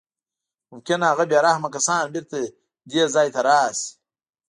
ممکن هغه بې رحمه کسان بېرته دې ځای ته راشي